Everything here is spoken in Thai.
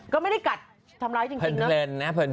ก็ไม่ได้กัดทำร้ายจริงนะ